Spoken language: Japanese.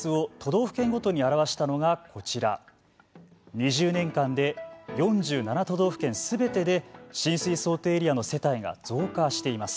２０年間で４７都道府県すべてで浸水想定エリアの世帯が増加しています。